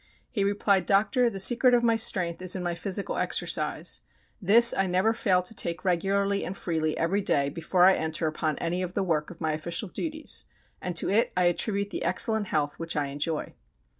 He replied, "Doctor, the secret of my strength is in my physical exercise. This I never fail to take regularly and freely every day before I enter upon any of the work of my official duties, and to it I attribute the excellent health which I enjoy."